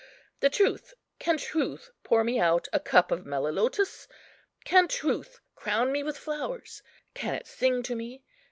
—the truth! can truth pour me out a cup of melilotus? can truth crown me with flowers? can it sing to me?